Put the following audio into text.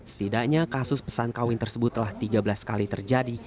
setidaknya kasus pesan kawin tersebut telah tiga belas kali terjadi